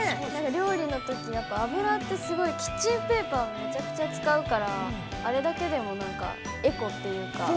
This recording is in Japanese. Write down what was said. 料理のとき、油ってすごいキッチンペーパーもめちゃくちゃ使うからあれだけでもなんか、エコというか。